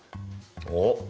おっ！